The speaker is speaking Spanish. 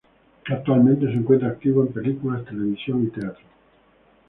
Actualmente se encuentra activo en películas, televisión y teatro.